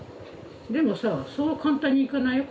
でもさそう簡単にいかないよ。